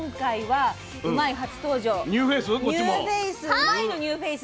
「うまいッ！」のニューフェース